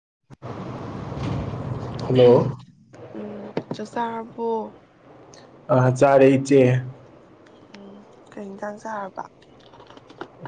[inaudible] ꯎꯝ ꯆ ꯆꯥꯕꯣ ꯑ ꯆꯥꯔꯦ ꯏꯆꯦ ꯎꯝ ꯀꯩ ꯏꯟꯁꯥꯡ ꯆꯥꯔꯕ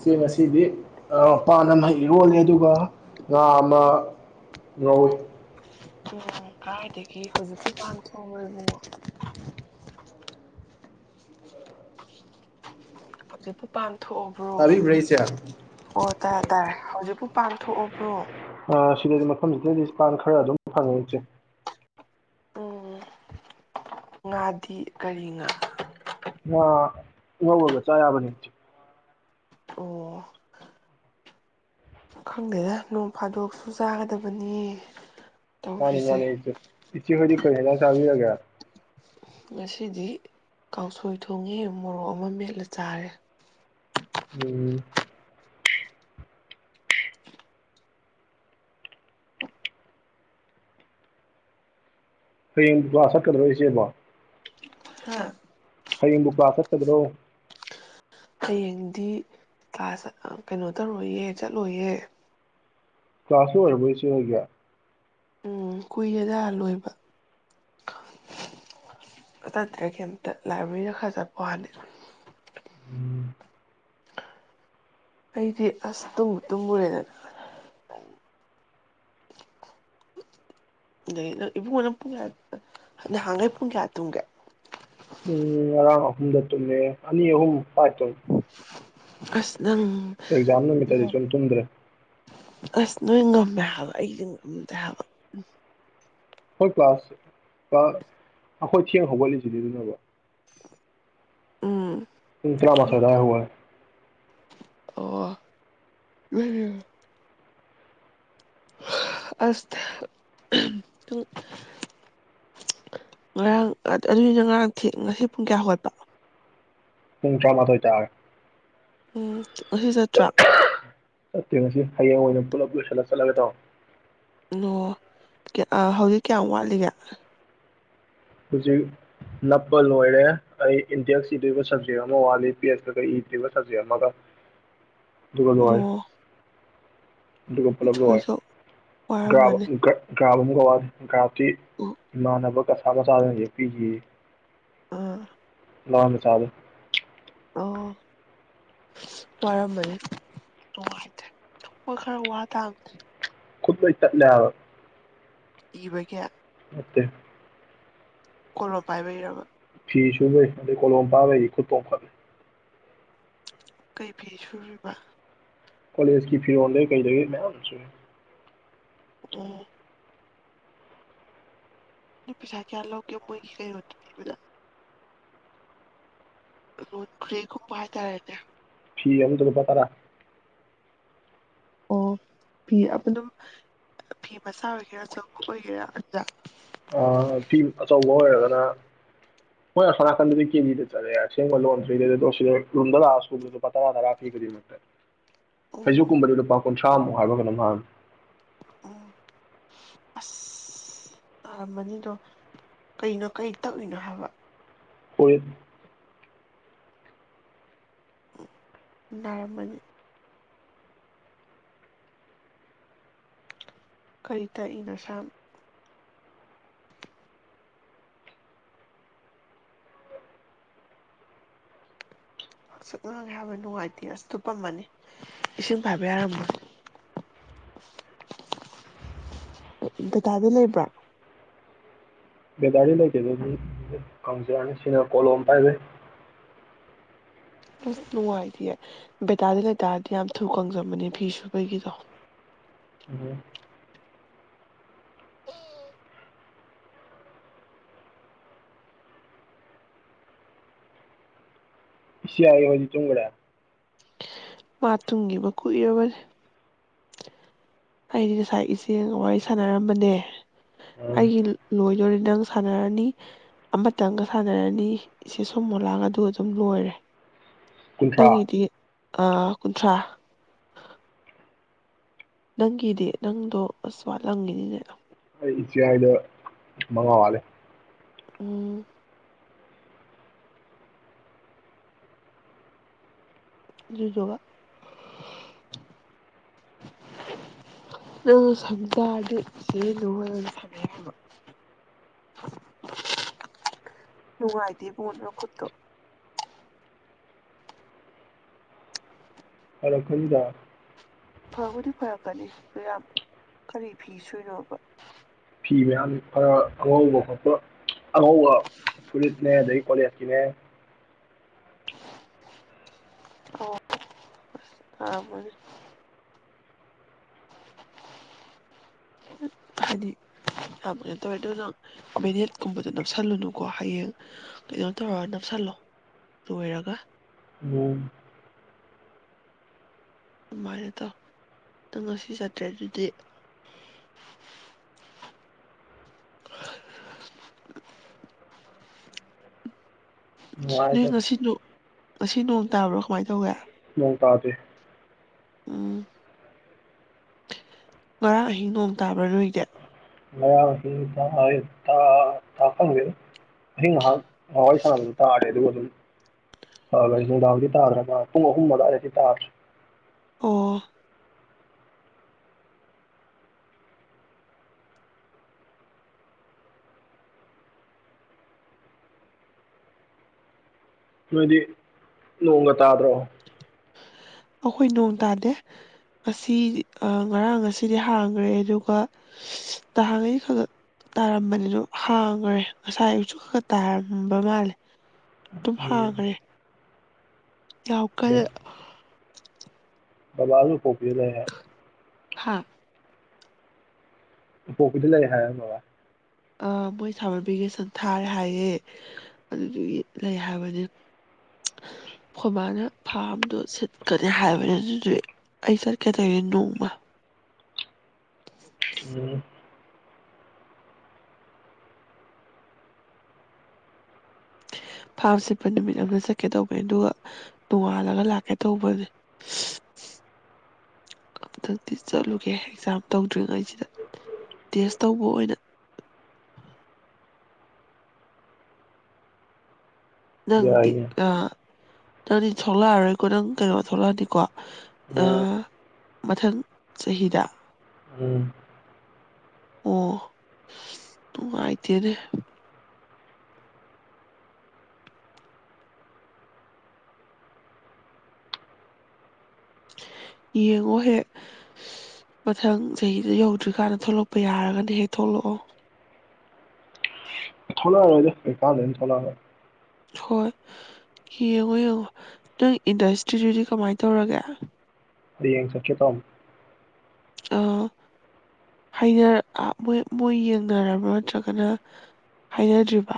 ꯁꯦ ꯉꯁꯤꯗꯤ ꯄꯥꯅ ꯃꯍꯩ ꯏꯔꯣꯜꯅꯦ ꯑꯗꯨꯒ ꯉꯥ ꯑꯃ ꯅ ꯑꯣ ꯀꯥꯏꯗ ꯍꯖꯤꯄꯨ ꯀꯥꯟ ꯊ ꯑꯣꯏꯣꯏ ꯃꯨꯡ ꯍꯧꯖꯤꯛꯄꯣ ꯄꯥꯟꯝ ꯇꯕꯤꯕ ꯔꯩꯁꯦꯌꯥ ꯇꯔꯦ ꯇꯥꯔꯦ ꯍꯧꯖꯤꯛꯄꯥꯎ ꯄꯥꯡꯊꯣꯛꯑꯕ꯭ꯔꯣ ꯑ ꯁꯤꯗꯗꯤ ꯃꯐꯝꯁꯤꯗꯗꯤ ꯏꯁꯄꯥꯟ ꯈꯔ ꯑꯗꯨꯝ ꯐꯪꯉꯦ ꯏꯁꯦ ꯎꯝ ꯉꯥꯗꯤ ꯀꯔꯤ ꯉꯥ ꯑ ꯍꯒ ꯆꯕꯅꯤ ꯑꯣ ꯈꯪꯗꯦꯗ ꯅꯣꯡ ꯐꯥꯗꯣꯛꯁꯨ ꯆꯥꯒꯗꯕꯅꯤ ꯃꯥꯅꯤ ꯇꯧꯔꯤꯁꯦ ꯃꯥꯅꯤꯆ ꯏꯁꯁꯤ ꯍꯣꯏꯀꯛꯇꯅꯦꯅ ꯆꯥꯕꯤ ꯍꯥꯏꯒꯦ ꯉꯁꯤꯗꯤ ꯀꯥꯡꯁꯣꯏ ꯊꯣꯡꯉꯦ ꯃꯣꯔꯣꯛ ꯑꯃ ꯃꯦꯠꯂ ꯆꯥꯔꯦ ꯎꯝ ꯍꯌꯦꯡꯗꯨ ꯀ ꯁꯛꯀꯗꯧꯣꯔꯤꯁꯦꯕꯣ ꯍꯌꯦꯡ ꯕꯕꯥ ꯆꯠꯀꯗ꯭ꯔꯣ ꯍꯌꯦꯡꯗꯤ ꯀ꯭ꯂꯥꯁ ꯀꯩꯅꯣ ꯇꯧꯔꯣꯏꯌꯦ ꯆꯠꯂꯣꯏꯌꯦ ꯀ꯭ꯂꯥꯁ ꯑꯣꯏꯔꯔꯕ ꯁꯤ ꯍꯥꯏꯒ ꯎꯝ ꯀꯨꯏꯔꯦꯗ ꯂꯣꯏꯕ ꯇꯇ ꯀꯩꯝꯇ ꯂꯥꯏꯕ꯭ꯔꯦꯔꯤꯗ ꯈꯔ ꯆꯠꯄ ꯋꯥꯅꯤ ꯑꯩꯗꯤ ꯑꯁ ꯇꯨꯝꯃꯨꯔꯦꯗꯗ ꯑꯩ ꯏꯕꯨꯡꯉꯣꯅ ꯄꯨꯡ ꯀꯌꯥ ꯅꯍꯥꯟꯈꯩ ꯄꯨꯡ ꯀꯌꯥ ꯇꯨꯡꯒꯦ ꯎꯝ ꯑꯍꯨꯝꯗ ꯇ ꯑꯅꯤ ꯑꯍꯨꯝ ꯄꯥꯏ ꯇ ꯑꯁ ꯅꯪ ꯅꯨꯃꯤꯠꯇꯗꯤ ꯁꯨꯝ ꯇꯨꯝꯗ꯭ꯔꯦ ꯑꯁ ꯅꯣꯏꯒꯣ ꯃ ꯍꯥ ꯏꯗ ꯍꯥꯏꯕ ꯍꯣꯏ ꯄꯥꯁ ꯑꯩꯈꯣꯏ ꯊꯦꯡ ꯍꯒꯠꯂꯤꯁꯤꯅꯤ ꯑꯗꯨꯅꯦꯕ ꯎꯝ ꯏꯇꯅꯥ ꯃꯁꯥꯗꯥꯥ ꯍ ꯑꯣ ꯑꯁ ꯉꯔꯥꯡ ꯑꯗꯨꯒꯤꯅ ꯉꯔꯥꯡ ꯉꯁꯤ ꯄꯨꯡ ꯀꯌꯥ ꯍꯧꯒꯠꯄ ꯃꯨꯡꯇ꯭ꯔ ꯃꯊꯣꯏꯇꯥ ꯎꯝ ꯑꯁꯤ ꯆꯠꯇ꯭ꯔꯥ ꯆꯠꯇꯦ ꯉꯁꯤ ꯍꯌꯦꯡ ꯑꯣꯏꯅ ꯄꯨꯂꯞ ꯂꯣꯏꯁꯤꯜꯂꯒ ꯆꯠꯂꯒ ꯇꯣ ꯑꯣ ꯍꯧꯖꯤꯛ ꯀꯌꯥꯝ ꯋꯥꯠꯂꯤꯒꯦ ꯍꯧꯖꯤꯛ ꯅꯞꯄ ꯂꯣꯏꯔꯦ ꯑꯩ ꯏꯟꯗꯤꯦꯛꯁ ꯏꯗ꯭ꯔꯤꯕ ꯁꯕꯖꯦꯛ ꯑꯃ ꯋꯥꯠꯜꯂꯤ ꯄꯤ ꯑꯦꯁꯇꯒ ꯏꯗ꯭ꯔꯤꯕ ꯁꯕꯖꯦꯛ ꯑꯃꯒ ꯑꯗꯨꯒꯕ ꯅꯥꯏ ꯑꯣ ꯑꯗꯨꯒ ꯄꯨꯂꯞ ꯂꯣꯏ ꯅꯤꯊꯣꯏꯁꯨ ꯋꯥꯔꯝꯃꯅꯤ ꯒ꯭ꯔꯥꯕ ꯑꯃ ꯀ ꯒ꯭ꯔꯥꯞꯇꯤ ꯑꯣ ꯏꯃꯥꯟꯅꯕ ꯀꯁꯥꯒꯁꯥꯗꯅ ꯌꯦꯦ ꯄꯤꯈꯤꯌꯦ ꯑꯥ ꯂꯃꯦ ꯆꯕ ꯑꯣ ꯋꯥꯔꯝꯃꯅꯤ ꯅꯨꯡꯉꯥꯏꯇ꯭ꯔꯦ ꯊ ꯈꯔ ꯋꯥ ꯇꯥꯡꯕꯅꯦ ꯈꯨꯨꯠ ꯄꯩꯁ ꯆꯠꯂ ꯏꯕꯒ ꯑꯣꯠꯇꯦ ꯀꯂ ꯄꯥꯏꯕꯔꯕꯔꯕ ꯐꯤꯁꯨꯨꯕꯩꯦ ꯀꯂꯣ ꯕꯥꯔ ꯈꯨꯠꯇꯣ ꯈꯔꯦ ꯀꯩ ꯐꯤ ꯁꯨꯕꯤꯔꯤꯕ ꯀꯣꯂꯦꯖꯀꯤ ꯐꯤꯔꯣꯗ ꯀꯩ ꯂꯩ ꯑꯣ ꯄꯁ ꯀꯌꯥ ꯂꯣ ꯀ ꯃꯣꯏ ꯀꯩꯗꯥ ꯔꯣꯣꯟ ꯈꯔꯤ ꯈꯨꯝꯄ ꯍꯥꯏ ꯇꯔꯦꯅꯦ ꯐꯤ ꯑꯗꯨ ꯇꯗ ꯐ ꯇꯔ ꯑꯣ ꯐꯤ ꯑꯗꯨ ꯑꯗꯨꯝ ꯐꯤ ꯃꯆꯥ ꯑꯣꯏꯒꯦꯔꯥ ꯆꯪꯀ ꯑꯣꯏꯒꯦꯔꯥ ꯑꯗꯨꯗ ꯑ ꯐꯤꯝ ꯑꯆꯧꯕ ꯑꯣꯏꯔꯒꯅ ꯍꯣꯏ ꯑꯁꯣ ꯅꯥꯀꯟꯗꯗꯤ ꯀꯦꯕꯤꯗ ꯆꯠꯂꯦ ꯑꯁꯦꯡꯕ ꯂꯣꯟꯗ꯭ꯔꯤꯗꯗ ꯂꯥꯛꯑ ꯁꯀꯔꯤ ꯈꯨꯗꯤꯡꯃꯛꯇ ꯐꯩꯖ ꯑꯣ ꯀꯨꯝꯕꯔ ꯄꯥꯎ ꯀꯨꯟꯊ꯭ꯔꯥꯃꯨꯛ ꯍꯥꯏꯕꯒꯅꯍꯥꯟ ꯑꯣ ꯑꯁ ꯇꯥꯔꯝꯃꯅꯤꯗꯣ ꯀꯩꯅꯣ ꯀꯩ ꯇꯛꯏꯅꯣ ꯍꯥꯏꯕ ꯑꯣꯏꯣꯏ ꯅꯔꯃꯜ ꯀꯔꯤ ꯇꯥꯛꯏꯅꯣꯁꯝ ꯍꯥꯛꯆꯛ ꯒꯦ ꯍꯥꯏꯕ ꯅꯨꯡꯉꯥꯏꯇꯦ ꯑꯁꯇ ꯄꯝꯃꯅꯤ ꯏꯁꯤꯡ ꯐꯥꯏꯕ ꯌꯥꯔꯃꯣ ꯗꯇꯥꯗꯤ ꯂꯩꯕ꯭ꯔꯥ ꯦꯗꯥꯔꯤ ꯂ ꯀꯦꯗ ꯀꯁꯤꯅꯤ ꯁꯤ ꯀꯣꯂꯣꯝ ꯄꯥꯏꯕ ꯑꯁ ꯅꯨꯡꯉꯥꯏꯇꯌꯦ ꯕꯦꯇꯥꯂꯤꯟ ꯂꯩꯇꯥꯔꯗꯤ ꯌꯥꯝ ꯊꯨ ꯀꯪꯖꯕꯅꯦ ꯐꯤ ꯁꯨꯕꯒꯤꯗꯣ ꯁꯤꯒꯤ ꯑꯣꯏꯅꯤ ꯇꯨꯒ ꯃꯥ ꯇꯨꯡꯤꯕ ꯀꯨꯏꯔꯕꯅꯦ ꯑꯩꯗꯤ ꯉꯁꯥꯏ ꯏꯆꯦꯒ ꯋꯥꯔꯤ ꯁꯥꯟꯅꯔꯝꯕꯅꯦ ꯑꯩꯒꯤ ꯂꯣꯏꯗꯣꯔꯦ ꯅꯪ ꯁꯥꯟꯅꯔꯅꯤ ꯑꯃꯇꯪꯒ ꯁꯥꯟꯅꯔꯅꯤ ꯏꯆꯦ ꯁꯣ ꯃꯣ ꯂꯥꯡ ꯑꯗꯨ ꯑꯗꯨꯝ ꯂꯣꯏꯔꯦ ꯀꯨꯟꯊ꯭ꯔꯥ ꯇꯪꯉꯗꯤꯦ ꯑ ꯀꯨꯟꯊ꯭ꯔꯥ ꯅꯪꯒꯤꯗꯤ ꯅꯪꯗꯣ ꯑꯁꯋꯥꯠ ꯂꯪꯉꯤꯅꯤꯅꯦꯅ ꯑꯩ ꯏꯆꯦ ꯑꯏꯗ ꯃꯉꯥ ꯋꯥꯂꯦ ꯎꯝ ꯑꯗꯨꯗꯨ ꯅꯪ ꯁꯪꯖꯔꯗꯤ ꯏꯆꯦ ꯅꯅ ꯁꯪꯉ ꯍꯥꯏꯕ ꯅꯨꯡꯉꯥꯏꯇꯦ ꯏꯕꯣꯟꯅ ꯈꯨꯠꯇꯣ ꯍꯔ ꯈꯨꯗ ꯐꯕꯨꯗꯤ ꯐꯔꯛꯀꯅꯤ ꯑꯗꯨ ꯌꯥꯝ ꯀꯔꯤ ꯐꯤ ꯁꯨꯏꯅꯣꯕ ꯐꯤ ꯃꯌꯥꯝ ꯈꯔ ꯈꯉꯧꯕ ꯈꯣꯠꯄ ꯑꯉꯧꯕ ꯐꯨꯔꯤꯠꯅꯦ ꯑꯗꯒꯤ ꯀꯣꯂꯦꯖꯀꯤꯅꯦ ꯑꯣ ꯑꯅꯦ ꯍꯥꯏꯗꯤ ꯌꯥꯝ ꯀꯩꯅꯣ ꯇꯧꯋꯦ ꯑꯗꯨ ꯅꯪ ꯃꯦꯅꯦꯠꯀꯨꯝꯕꯗꯣ ꯅꯞꯁꯜꯂꯨꯅꯨꯀꯣ ꯍꯌꯦꯡ ꯀꯩꯅꯣ ꯇꯧꯔꯒ ꯅꯞꯁꯜꯂꯣ ꯂꯣꯏꯔꯒ ꯅꯣꯡ ꯑꯗꯨꯃꯥꯏꯅ ꯇꯧ ꯅꯪ ꯉꯁꯤ ꯆꯠꯇ꯭ꯔꯦ ꯑꯗꯨꯗꯤ ꯅꯨꯡꯉꯥꯏ ꯆꯠ ꯉꯁꯤꯁꯨ ꯉ ꯅꯣꯡ ꯇꯥꯕ꯭ꯔꯣ ꯀꯃꯥꯏꯅ ꯇꯧꯋꯦ ꯅꯣꯡ ꯇꯥꯗꯦ ꯎꯝ ꯉꯔꯥꯡ ꯑꯍꯤꯡ ꯅꯣꯡ ꯇꯥꯕ꯭ꯔꯥ ꯅꯣꯏꯗꯤ ꯉꯔꯥꯡ [unintelligible] ꯑꯍꯤꯡ ꯉꯥꯍꯥꯛ ꯋꯥꯔꯤ ꯁꯥꯅꯕꯗꯨ ꯇꯥꯔꯦ ꯑꯗꯨꯒ ꯑꯗꯨꯝ [unintelligible] ꯇꯥꯗ꯭ꯔ ꯄꯨꯝ ꯑꯍꯨꯝ ꯑꯗꯥꯏꯗꯩꯗꯤ ꯇꯥꯗ꯭ꯔꯦ ꯑꯣ ꯅꯣꯏꯗꯤ ꯅꯣꯡꯒ ꯇꯥꯗ꯭ꯔꯣ ꯑꯈꯣꯏ ꯅꯣꯡ ꯇꯥꯗꯦ ꯉꯁꯤꯗꯤ ꯉꯔꯥꯡ ꯉꯁꯤꯗꯤ ꯍꯥꯡꯈ꯭ꯔꯦ ꯑꯗꯨꯒ ꯇꯍꯥꯡꯉꯩꯗꯤ ꯈ ꯈ ꯇꯥꯔꯝꯕꯅꯤꯗꯣ ꯍꯥꯡꯈ꯭ꯔꯦ ꯉꯁꯥꯏ ꯑꯌꯨꯛꯁꯨ ꯈ ꯈ ꯇꯥꯔꯝꯕ ꯃꯥꯜꯂꯦ ꯗꯨꯝ ꯎꯝ ꯍꯥꯡꯒ꯭ꯔꯦ ꯌꯥꯝꯀꯜ [unintelligible] ꯍꯥ [unintelligible] ꯎꯄꯣꯛꯄꯤꯗ ꯂꯩ ꯍꯥꯏ ꯕꯕꯥ ꯑ ꯃꯣꯏ ꯁꯥꯃꯔ ꯚꯦꯀꯦꯁꯟ ꯊꯥꯔꯦ ꯍꯥꯏꯌꯦ ꯑꯗꯨꯗꯨꯒꯤ ꯂꯩ ꯍꯥꯏꯕꯅꯦ ꯈꯣꯏꯃꯥꯅ ꯐꯥꯝꯗꯣ ꯁꯤꯠꯀꯅꯤ ꯍꯥꯏꯕꯅꯦ ꯑꯗꯨꯗꯨꯏ ꯑꯩ ꯆꯠꯀꯦ ꯇꯧꯔꯤꯅꯦ ꯅꯣꯡꯃ ꯎꯝ ꯐꯥꯝ ꯁꯤꯠꯄ ꯅꯨꯃꯤꯠ ꯑꯃ ꯆꯠꯀꯦ ꯇꯧꯕꯅꯦ ꯑꯗꯨꯒ ꯅꯣꯡꯉꯥꯜꯂꯒ ꯂꯥꯛꯀꯦ ꯇꯧꯕꯅꯦ ꯑꯝꯇꯪꯗꯤ ꯆꯠꯂꯨꯒꯦ ꯑꯦꯛꯖꯥꯝ ꯇꯧꯗ꯭ꯔꯤꯉꯩꯁꯤꯗ ꯇꯦꯁ ꯇꯧꯕ ꯑꯣꯏꯅ ꯅꯪꯗꯤ ꯌꯥꯏꯅꯦ ꯑꯥ ꯅꯪꯗꯤ ꯊꯣꯛꯂꯛꯑꯔꯣꯏꯀꯣ ꯅꯪ ꯀꯩꯅꯣ ꯊꯣꯛꯂꯛꯑꯅꯤꯀꯣ ꯑ ꯎꯝ ꯃꯊꯪ ꯆꯍꯤꯗ ꯎꯝ ꯑꯣ ꯅꯨꯡꯉꯥꯏꯇꯦꯅꯦ ꯌꯦꯡꯉꯣ ꯍꯦꯛ ꯃꯊꯪ ꯆꯍꯤꯗ ꯌꯧꯗ꯭ꯔꯤꯀꯥꯟꯗ ꯊꯣꯛꯂꯛꯄ ꯌꯥꯔꯒꯅ ꯍꯦꯛ ꯊꯣꯛꯂꯛꯑꯣ ꯊꯣꯛꯂꯛ ꯑꯔꯣꯏꯗ ꯀꯩꯀꯥꯟꯗꯣꯏꯅꯣ ꯊꯣꯛꯂꯛꯑꯒ ꯍꯣꯏ ꯌꯦꯡꯉꯣ ꯌꯦꯡꯉꯣ ꯅꯪ ꯏꯟꯗꯁꯇ꯭ꯔꯤꯗꯨꯗꯤ ꯀꯃꯥꯏ ꯇꯧꯔꯒꯦ ꯍꯌꯦꯡ ꯆꯠꯀꯦ ꯇꯧꯅꯤ [unintelligible] ꯃꯣꯏ ꯃꯣꯏ ꯌꯦꯡꯅꯔꯕꯥ ꯅꯠꯇ꯭ꯔꯒꯅ ꯍꯥꯏꯅꯗ꯭ꯔꯤꯕ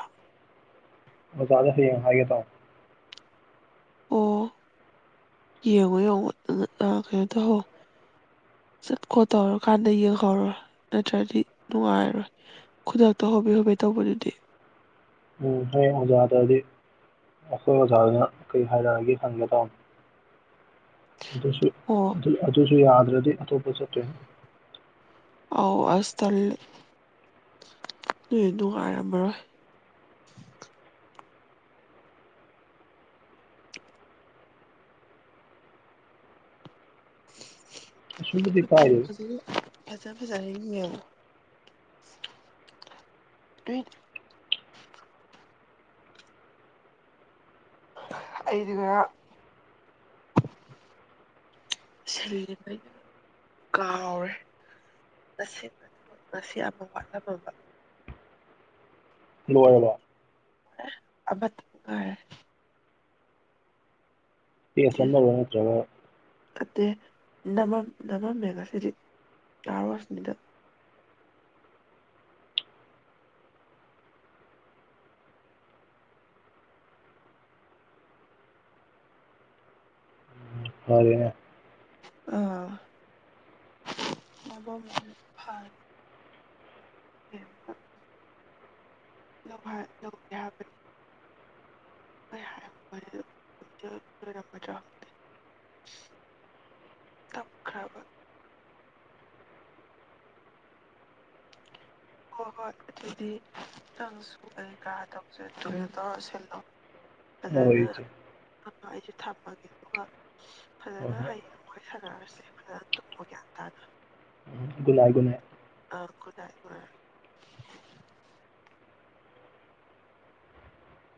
ꯑꯣꯖꯥꯗ ꯍꯌꯦꯡ ꯍꯥꯏꯒꯦ ꯇꯧꯅꯤ ꯑꯣ ꯌꯦꯡꯉꯣ ꯌꯦꯡꯉꯣ ꯀꯩꯅꯣ ꯇꯧꯍꯧ ꯆꯠ ꯈꯣꯠꯇꯧꯔꯀꯥꯟꯗ ꯌꯦꯡꯍꯧꯔꯣ ꯅꯠꯇ꯭ꯔꯗꯤ ꯅꯨꯡꯉꯥꯏꯔꯣꯏ ꯈꯨꯗꯛꯇ ꯍꯣꯕꯦ ꯍꯣꯕꯦ ꯇꯧꯕꯗꯨꯗꯤ ꯎꯝ ꯍꯌꯦꯡ ꯑꯣꯖꯥꯗꯗꯤ ꯑꯈꯣꯏ ꯑꯣꯖꯥꯗꯨꯅ ꯀꯔꯤ ꯍꯥꯏꯔꯛꯑꯒꯦ ꯍꯪꯒꯦ ꯇꯧꯅꯤ ꯑꯗꯨꯁꯨ ꯑꯣ ꯑꯗꯨ ꯑꯗꯨꯁꯨ ꯌꯥꯗ꯭ꯔꯗꯤ ꯑꯇꯣꯞꯄ [unintelligible] ꯑꯧ ꯑꯁ ꯇꯜꯂꯦ ꯅꯣꯏ ꯅꯨꯡꯉꯥꯏꯔꯝꯃꯔꯣꯏ ꯀꯩꯁꯨꯕꯨꯗꯤ ꯀꯥꯏꯗꯦꯗ [unintelligible] ꯐꯖꯥ ꯐꯖꯅ ꯌꯦꯡꯉꯣ ꯅꯣꯏ ꯑꯩꯗꯤ ꯉꯔꯥꯡ ꯁꯤꯜꯂꯤꯉꯩꯩꯅ ꯀꯥꯎꯔ ꯉꯁꯤ ꯉꯁꯤ ꯑꯃ ꯋꯥꯠꯂꯝꯃꯕ ꯂꯣꯏꯔꯕꯣ ꯔꯦ ꯑꯃꯇꯪ ꯉꯥꯏꯔꯦ ꯇꯦꯁ ꯑꯃꯔ ꯅꯠꯇ꯭ꯔꯒ ꯅꯃꯝ ꯅꯝꯃꯝꯃꯦ ꯉꯁꯤꯗꯤ [unintelligible] ꯐꯔꯦꯅꯦ ꯑ [inaudible] [inaudible] ꯍꯣꯏ ꯍꯣꯏ ꯑꯗꯨꯗꯤꯈꯤ ꯅꯪꯁꯨ ꯑꯩ ꯀꯥ ꯇꯧꯁꯦ ꯇꯣꯏ ꯇꯧꯔ ꯁꯤꯜꯂꯣ ꯍꯣꯏ ꯐꯖꯅꯥ ꯏꯆꯦ ꯑꯗꯣ ꯑꯩꯁꯨ ꯊꯝꯃꯒꯦ ꯑꯗꯨꯒ ꯍꯣꯏ ꯐꯖꯅ ꯍꯣꯏ ꯍꯌꯦꯡ ꯋꯥꯔꯤ ꯁꯥꯟꯅꯔꯁꯦ ꯐꯖꯅ ꯇꯨꯝꯃꯣ ꯒ꯭ꯌꯥꯟ ꯇꯥꯅ good night good night good night